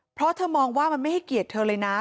เพราะเธอมองว่ามันไม่ให้เกลียดไป